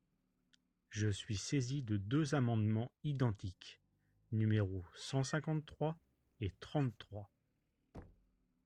Je suis saisi de deux amendements identiques, numéros cent cinquante-trois et trente-trois.